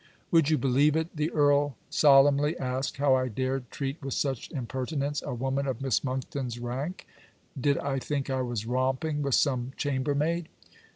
Would you believe it? The earl solemnly asked how I dared treat with such impertinence a woman of Miss Monckton's rank? Did I think I was romping with some chambermaid?